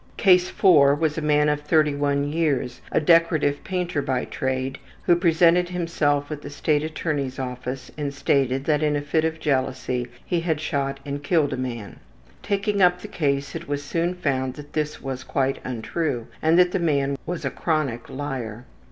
Case IV was a man of 31 years, a decorative painter by trade, who presented himself at the states attorney's office and stated that in a fit of jealousy he had shot and killed a man. Taking up the case it was soon found that this was quite untrue and that the man was a chronic liar.